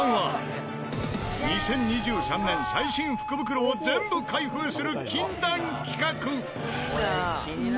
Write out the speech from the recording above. ２０２３年最新福袋を全部開封する禁断企画